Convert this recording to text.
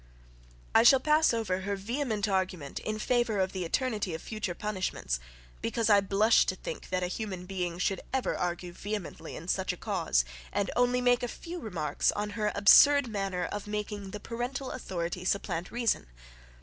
I shall pass over her vehement argument in favour of the eternity of future punishments, because I blush to think that a human being should ever argue vehemently in such a cause, and only make a few remarks on her absurd manner of making the parental authority supplant reason.